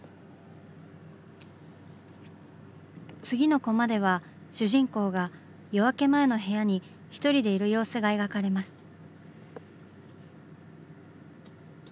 次のコマでは主人公が夜明け前の部屋に一人でいる様子が描かれます。